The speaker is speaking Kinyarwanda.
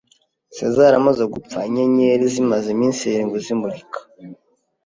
Sezari amaze gupfa, inyenyeri zimaze iminsi irindwi zimurika.